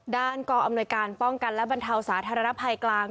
กองอำนวยการป้องกันและบรรเทาสาธารณภัยกลาง